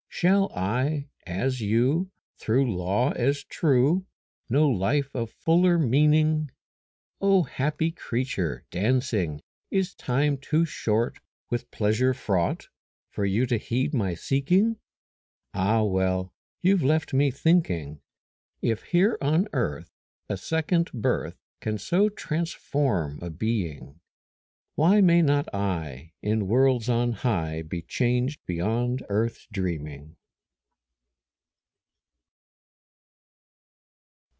Shall I, as you, Through law as true, Know life of fuller meaning? O happy creature, dancing, Is time too short With pleasure fraught For you to heed my seeking? Ah, well, you've left me thinking: If here on earth A second birth Can so transform a being, Why may not I In worlds on high Be changed beyond earth's dreaming?